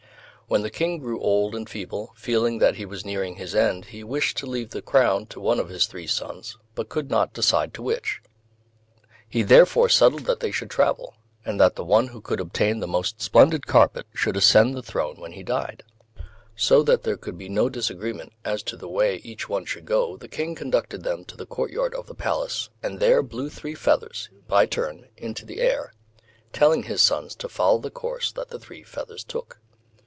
When the King grew old and feeble, feeling that he was nearing his end, he wished to leave the crown to one of his three sons, but could not decide to which. He thereupon settled that they should travel, and that the one who could obtain the most splendid carpet should ascend the throne when he died. So that there could be no disagreement as to the way each one should go, the King conducted them to the courtyard of the Palace, and there blew three feathers, by turn, into the air, telling his sons to follow the course that the three feathers took.